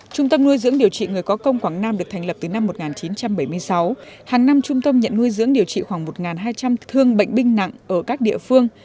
trung tâm nuôi dưỡng điều trị người có công quảng nam được thành lập từ năm một nghìn chín trăm bảy mươi sáu hàng năm trung tâm nhận nuôi dưỡng điều trị khoảng một hai trăm linh thương bệnh binh nặng ở các địa phương